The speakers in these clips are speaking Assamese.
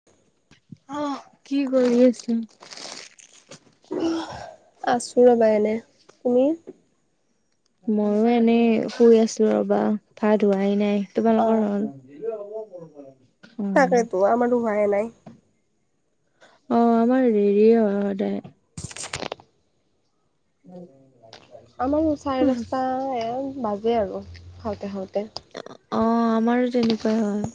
[inaudible] অ', কি কৰি আছা। আছো ৰবা এনে, তুমি? ময়ো এনেই শুই আছো ৰ'বা, ভাত হোৱাই নাই তোমালোকৰ অ', হ'ল? [unintelligible] তাকেতো আমাৰো হোৱাই নাই। অ' আমাৰ দেৰিয়ে হয় সদায়। [inaudible] আমাৰো চাৰে দশটা এই বাজে আৰু খাওঁতে খাওঁতে। অ' আমাৰো তেনেকুৱাই হয়।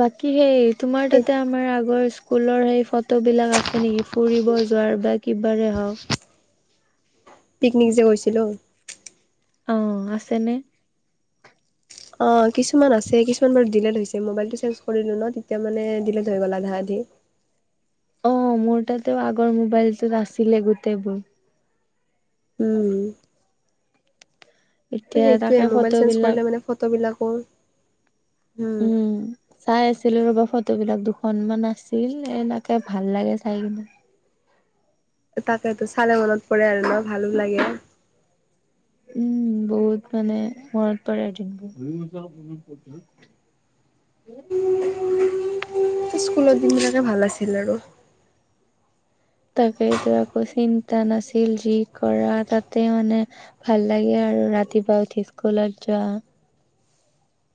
বাকী সেই তোমাৰ এই তাতে আমাৰ আগৰ স্কুলৰ সেই ফটোবিলাক আছে নেকি? ফুৰিব যোৱাৰ বা কিবাৰে হওঁক পিকনিক যে গৈছিলোঁ? অ' আছেনে? অ' কিছুমান আছে কিছুমান বাৰু ডিলেট হৈছে। মোবাইলটো চেঞ্জ কৰিলো ন, তেতিয়া মানে ডিলেট হৈ গ'ল আধা আধি। অ' মোৰ তাতে আগৰ মোবাইলটোত আছিলে গোটেইবোৰ। উম। এতিয়া সেইটোৱে তাকে মোবাইল চেঞ্জ ফটোবিলাক কৰিলে মানে ফটোবিলাকো উম। চাই আছিলো ৰ'বা ফটোবিলাক দুখনমান আছিল, এনেকে ভাল লাগে চাই কিনে। তাকেতো চালে মনত পৰে আৰু ন, ভালো লাগে। উম, বহুত মানে মনত পৰে দিনবোৰ। স্কুলত দিন বিলাকে ভাল আছিল আৰু। তাকেটো একো চিন্তা নাছিল, যি কৰা তাতে মানে ভাল লাগে আৰু ৰাতিপুৱা উঠি স্কুলত যোৱা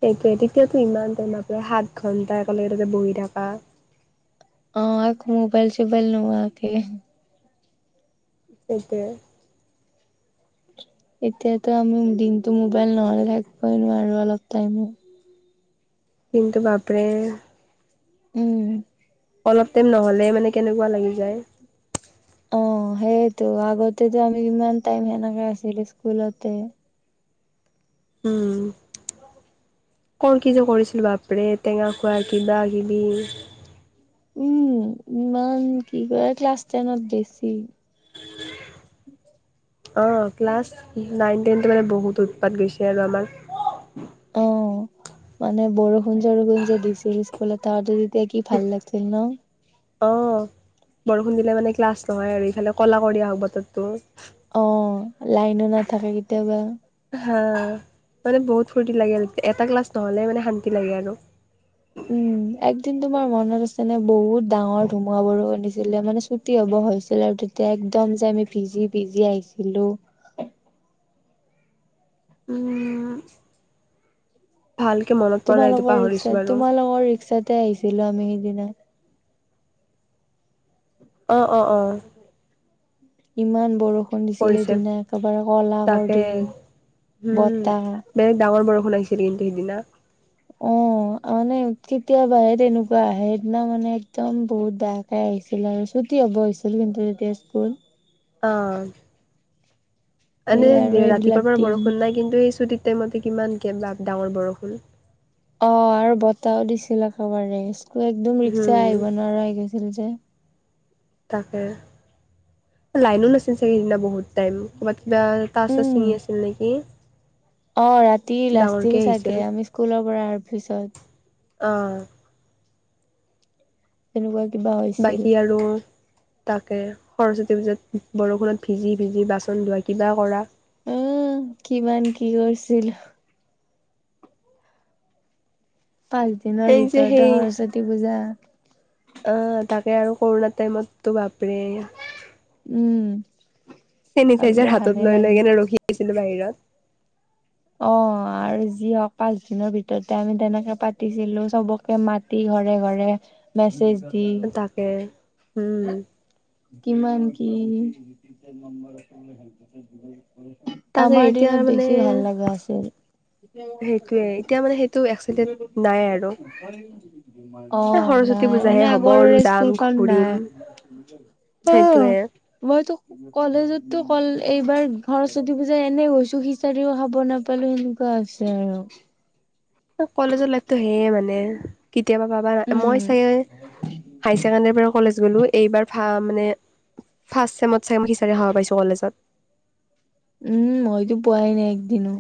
সেইটোৱে, তেতিয়াতো ইমান টাইম নাপঢ়ে সাত ঘণ্টা একেলগ ততে বহি থাকা। অ' একো মোবাইল চোবাইল নোহোৱাকে। সেইটোৱে। এতিয়াতো আমি দিনতটো মোবাইল নহ'লে থাকিবই নোৱাৰো অলপ টাইম। কিন্তু বাপৰে উম। অলপ টাইম নহ'লে মানে কেনেকুৱা লাগি যায়। অ' সেইয়টো আগতে যে আমি ইমান টাইম সেনেকাে আছিলো স্কুলতে। উম। ক'ৰ কি যে কৰিছিলো বাপৰে, টেঙা খোৱা কিবা কিবি। উম, ইমান কি কৰে ক্লাছ টেনত বেছি। অঁ, ক্লাছ নাইন টেনটো মানে বহুত উৎপাত গৈছে আৰু আমাৰ। অ' মানে বৰষুণ চৰষুণ যে দিছিল স্কুলত তাৰাতাৰি তে কি ভাল লাগিছিল ন? অ' বৰষুণ দিলে মানে ক্লাছ নহয়, আৰু ইফালে ক'লা কৰি আহক বতৰটো। অ' লাইনো নাথাকে কেতিয়াবা। হা' মানে বহুত ফূৰ্তি লাগে, এটা ক্লাছ নহ'লে মানে শান্তি লাগে আৰু। উম, [unintelligible] একদিন তোমাৰ মনত আছে নে বহুত ডাঙৰ ধুমুহা বৰষূণ দিছিলে মানে ছুটি হ'ব হৈছিলে আৰু? তেতিয়া একদম যে আমি ভিজি ভিজি আহিছিলো? উম। ভালকে মনত পৰা নাই এইটো তোমালোক পাহৰিছো ৰিক্সাত বাৰু তোমালোকৰ ৰিক্সাতে আহিছিলো আমি সেইদিনা। অঁ, অঁ, অঁ। ইমান বৰষুণ দিছিল পৰিছে সেইদিনা একেবাৰে ক'লা তাকে কৰি উম বতাহ বেলেগ ডাঙৰ বৰষুণ আহছিল কিন্তু সেইদিনা। অ' মানে কেতিয়াবাহে তেনেকুৱা আহে, সেইদিনা মানে একদম বহুত ডাঙৰ কে আহিছিল। আৰু ছুটী হ'ব হৈছিল কিন্তু তেতিয়া স্কুল। অ' সেই আৰু এনেই এইবিলাক ৰাতিপুৱাৰ পৰা দিন বৰষুণ নাই। কিন্তু এই ছুটিৰ টাইমতে কিমান কে ডাঙৰ বৰষূণ। অ' আৰু বতাহও দিছিল একেবাৰে স্কুলত একদম ৰিক্সা উম আহিব নোৱাৰা আহি গৈছিল যে। তাকে। লাইনো নাছিল চাগ সিদিনা বহুত টাইম, ক'ৰবাত কিবা তাৰ চাৰ উম, চিঙি আছিল নেকি? অ' ৰাতি লাষ্টছিল ডাঙৰকে আহিছিল চাগে আমি স্কুলৰ পৰা আহাৰ পিছত। অহ তেনেকুৱা কিবা হয় বাকী আৰু তাকে সৰস্বতী পূজাত বৰষুণত ভিজি ভিজি বাচন ধোৱা কিবা কৰা অ কিমান কি হৈছিল। পাঁচ দিনৰ এই যে ভিতৰতে সৰস্বতী পূজা। অ তাকে আৰু কৰোণা টাইমতো বাপৰে উম তেনে কাৰ্য্য ভাবিলে ভালে হাতত লৈ লৈ লাগে। কিনে ৰখি আছিলো বাহিৰত। অ আৰু যি হওক পাচ দিনৰ ভিতৰতে আমি তেনেকে পাতিছিলো চবকে মাতি ঘৰে ঘৰে মেছেজ দি কে উম কিমান কি তাকে আমাৰ এতিয়া দিনত বেছি ভাল মানে লগা আছিল সেইটোয়ে এতিয়া মানে সেইটো এক্সেন্টেড নাই আৰু [unintelligible] অ সৰস্বতী নাই পূজাহে মানে হ'ব আগৰ আৰু যাম স্কুলখন ঘূৰিম নাই অ সেইটোয়ে মইতো কলেজতো কল এইবাৰ সৰস্বতী পূজা এনে গৈছো খিচাৰিও খাব নাপালো সেনে কোৱা হৈছে আৰু কলেজৰ লাইফটো সেয়ে মানে কেতিয়াবা পাবা না, উম, মই চাগে হাই ছেকেণ্ডাৰী পৰা কলেজ গ'লো এইবাৰ ফা মানে ফাৰ্ষ্ট ছেমত চাগে মই খিচাৰি খাবা পাইছো কলেজত উম মইতো পোৱাই নাই একদিনো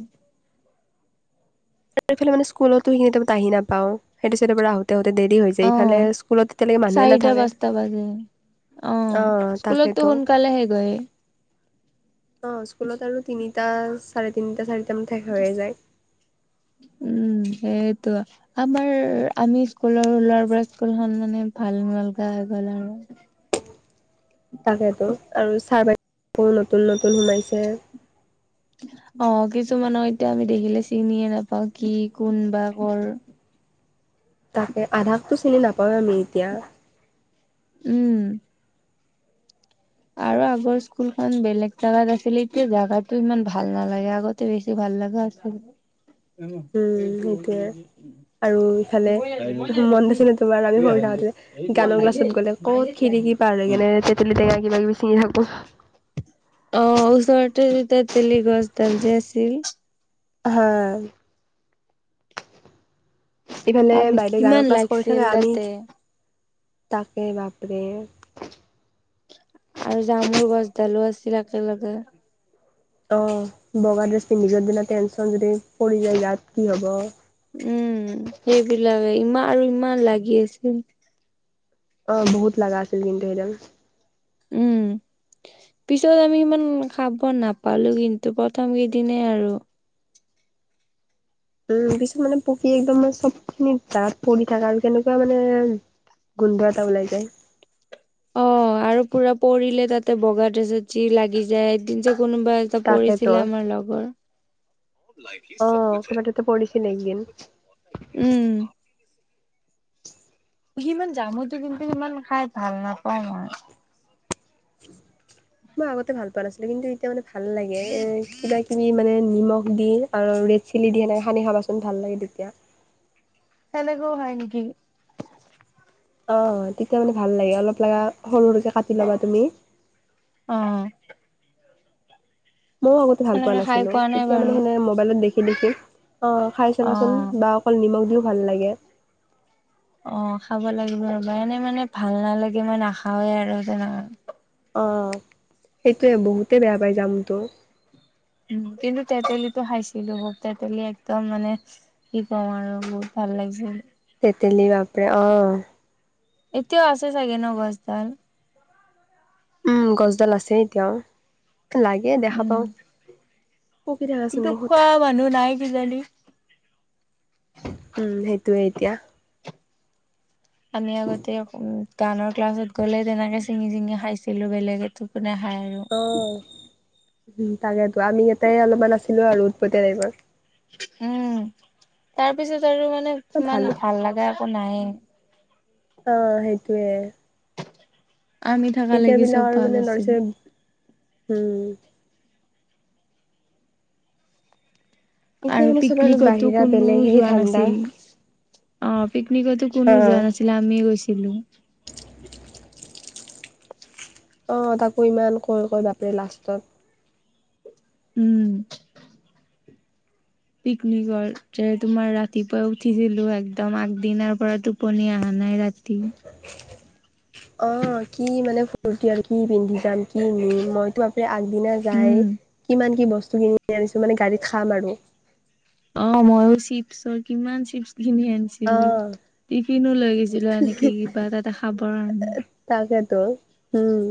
তাৰ ইফালে মান স্কুলতো সেইখিনি টাইমত আহি নাপাওঁ সেইটো চাইডৰ পৰা আহোত আহোতে দেৰি হৈ অ যায় ইফালে স্কুলত এতিয়ালৈকে মানুহে চাৰিটা নাথাকে পাঁচটা বাজে অ স্কুলতো তাকেতো সোনকালে শেষ হয় অ স্কুলত আৰু তিনিটা চাৰে তিনিটা চাৰিটামানত শেষ হৈয়ে যায় উম সেইটোৱা আমাৰ আমি স্কুলৰ ওলোৱাৰ পৰা স্কুলখন মানে ভাল নলগা হৈ গ'ল আৰু তাকেতো আৰু চাৰ বাইদেউবোৰো নতুন নতুন সোমাইছে অ কিছুমানক এতিয়া আমি দেখিলে চিনিয়ে নাপাওঁ কি কোন বা কৰ তাকে আধাকতো চিনি নাপাওয়ে আমি এতিয়া উম আৰু আগৰ স্কুলখন বেলেগ জাগাত আছিলে এতিয়া জাগাতো ইমান ভাল নালাগে আগত টে বেছি ভাল লাগা আছিল [unintelligible] উম এইটো সেইটোয়ে অলৰেদি আৰু ইফালে মনত আছে নে তোমাৰ আমি সৰু থাকোতে গানৰ ক্লাছত গ'লে ক'ত খিৰিকি পাৰ হৈ কেনে তেতলী টেঙা কিবা কিবি চিঙি থাকো অ ওচৰতে যেতিয়া তেলি গছডাল যে আছিল হা ইফালে আমি বাইদেউ কিমান গানৰ ক্লাছ কৰি লাগিছিল থাকে আমি তাতে তাকে বাপৰে আৰু জামুৰ গছডালো আছিল একেলগে অ বগা ড্ৰেছ পিন্ধি য'ত দিনা টেনচন যদি পৰি যায় ইয়াত কি হ'ব। উম সেইবিলাকে ইমান আৰু ইমান লাগি আছিল। অ বহুত লাগা আছিল কিন্তু সেইডাল। উম। পিছত আমি ইমান খাব নাপালো কিন্তু প্ৰথম কেইদিনে আৰু। উম পিছত মানে পকি একদম মানে চবখিনি তাত পৰি থাকে আৰু কেনেকোৱা মানে গোন্ধ এটা ওলাই যায়। অ আৰু পুৰা পৰিলে তাতে বগা ড্ৰেছত যি লাগি যায়, এদিন যে কোনোবা ত তাকেতো পৰিছিলে আমাৰ লগৰ। অ ক'ৰবাততে পৰিছিলে একদিন উম। সিমান জামুতো কিন্তু ইমান খাই ভাল নাপাও মই। [inaudible] মই আগতে ভাল পোৱা নাছিলো কিন্তু এতিয়া মানে ভাল লাগে, এ কিবা কিবি মানে নিমখ দি আৰু ৰেড চিলি দিয়ে নাই সানি খাবাচোন ভাল লাগে তেতিয়া। তেনেকেও হয় নেকি? অ তেতিয়া মানে ভাল লাগে অলপ লগা সৰু সৰুকে কাটি ল'বা তুমি। অ। মইও আগতে ভাল পোৱা সেনেকে খাই নাছিলো নাই এতিয়া মানে বাৰু সেনে মোবাইলত দেখি দেখি, অ খাই অ চাবাচোন বা অকল নিমখ দিও ভাল লাগে। অ খাব লাগিব ৰব এনেই মানে ভাল নালাগে মই নাখাওৱে আৰু তেনে। অ, সেইটোয়ে বহুতে বেয়া পায় জামুনটো। উম কিন্তু তেতেলীটো খাইছিলো ব তেতেলি একদম মানে কি কও আৰু বহুত ভাল লাগিছিল। তেতেলী বাপৰে অ। এতিয়াও আছে চাগে ন গছডাল? উম গছডাল আছে এতিয়াও, লাগ এ দেখা উম, পাও, পকি থাকাচোন কিন্তু বহুত। খোৱা মানুহ নাই কিজানি? উম সেইটোয়ে এতিয়া। আমি আগতে উম গানৰ ক্লাছত গ'লে তেনেকে ছিঙি চিঙি খাইছিলো বেলেগেটো কোনে খাই আৰু। অ, উম তাকেতো আমি ইয়াতে অলপমান আছিলো আৰু উৎপতিয়া টাইপৰ। উম তাৰপিছত আৰু মানে ইমান ভাল লগা একো নাই। অ সেইটোৱে। আমি থকা এতিয়া লাগি চব বিলাকৰ ভাল মানে ল'ৰা - আছিল। ছোৱালী হম। এতিয়া আৰু মানে চব পিকনিকতো বাহিৰা কোনো বেলেগ সেই যোৱা ঠাণ্ডা নাছিল। অ পিকনিকতো হা কোনো যোৱা নাছিলে আমিয়ে গৈছিলো। [inaudible] অ তাকো ইমান কয় কয় বাপৰে লাষ্টত। উম। পিকনিকৰ যে তোমাৰ ৰাতিপুৱাই উঠিছিলো একদম আগদিনাৰ পৰা টো পনি অহা নাই ৰাতি। অ কি মানে ফূৰ্তি আৰু কি পিন্ধি যাম কিনিম, মইতো আপুনি আগদিনা যাই উম কিমান কি বস্তু কিনি আনিছোঁ মানে গাড়ীত খাম আৰু। অ মইও চিপছৰ কিমান চিপছ কিনি আনি ছিলো, অ' টিফিনো লৈ গৈছিলো এনে কি কিবা তাতে খাবৰ কাৰণে। তাকেতো উম।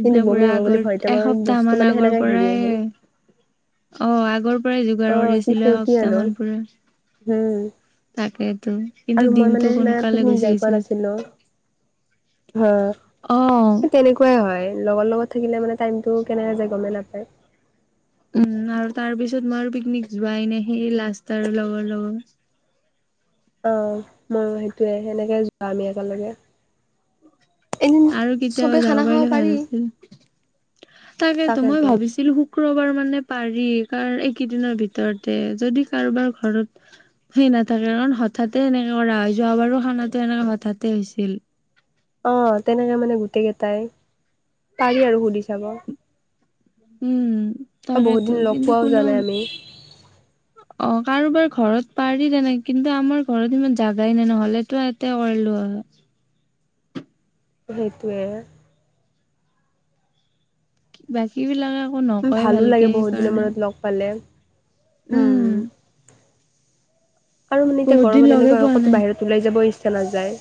কিন্তু বমি পুৰা হ'ব বুলি আগৰ ভয়তে মোৰ এসপ্তাহ বস্তু মান মানে আগৰ সেনেকে ঘূৰি আহিল পৰাই অ আগৰ পৰাই যোগাৰ অ' কৰি কি আছিলো ফূৰ্তি এসপ্তাহ আৰু মান [unintelligible] উম, তাকেতো কিন্তু আৰু মই দিনটো মানে সেনে সোনকালে পিকনিক গুচি যাই পোৱা গৈছিল নাছিলো। হ অ উম তেনেকুৱাই হয় লগৰ লগত থাকিলে মানে টাইমটো কেনেকে যায় গম নাপায়। উম, আৰু তাৰ পিছত মই আৰু পিকনিক যোৱাই ন সেই লাষ্ট আৰু লগৰ লগৰ। আ মইও সেইটোয়ে সেনেকে যোৱা আমি একেলগে। এদিন আৰু চবে কেতিয়াবা খানা যাব খাব পাৰিলে ভাল পাৰি আছিল তাকেতো মই ভাবিছিলো শুক্ৰবাৰ মানে পাৰি কাৰ এইকেইদিনৰ ভিতৰতে যদি কাৰোবাৰ ঘৰত সেই নাথাকে কাৰণ হঠাতে এনেকে কৰা হয় যোৱাবাৰো খানাটো এনেকে হঠাতে হৈছিল। অ তেনেকে মানে গোটেই কেইটাই পাৰি আৰু সুধি চাব। উম। বহুত তাকেতো দিন লগ কিন্তু পোৱাও যোৱা কোনো নাই আমি। অ কাৰোবাৰ ঘৰত পাৰি তেনেকে কিন্তু আমাৰ ঘৰত ইমান জাগাই নাই ন'হলে তো ইয়াতে কৰিলো হয়। সেইটোৱে। বাকী বিলাকে একো ন ভালো লাগে বহুত দিনৰ মূৰত লগ পালে উম হম। আৰু মানে এতিয়া বহুত দিন গৰমত লগে এনেকুৱা হয় পোৱা ক'তো নাই বাহিৰত ওলাই যাব ইচ্ছা নাযায়।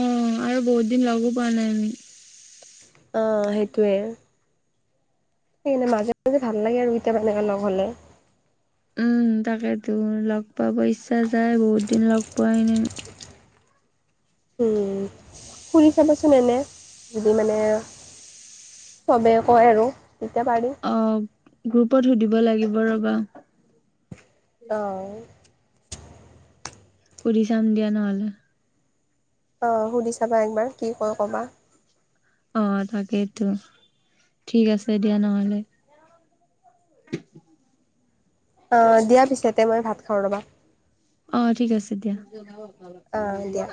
অ আৰু বহুত দিন লগো পোৱা নাই আমি। অ সেইটোৱে। সেইকাৰণে মাজে মাজে ভাল লাগে আৰু কেতিয়াবা এনেকুৱা লগ হ'লে। উম, তাকেতো লগ পাব ইচ্ছা যায় বহুত দিন লগ পোৱাই নাই। উম, সুধি চাবাচোন এনে যদি মানে চবেই কয় আৰু তেতিয়া পাৰি। অ গ্ৰুপত সুধিব লাগিব ৰ'বা। অ। সুধি চাম দিয়া নহ'লে। অ সুধি চাবা একবাৰ কি কয় ক'বা। অ তাকেইতো, ঠিক আছে দিয়া নহ'লে। অ দিয়া পিছে [unintelligible] মই ভাত খাওঁ ৰ'বা। অ ঠিক আছে দিয়া। অ', দিয়া।